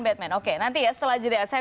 batman oke nanti ya setelah jeda saya